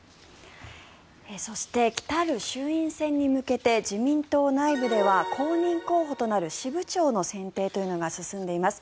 そして来たる衆院選に向けて自民党内部では公認候補となる支部長の選定というのが進んでいます。